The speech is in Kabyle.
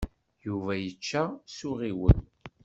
Yuba yečča s uɣiwel.